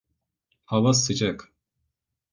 Hava sıcak.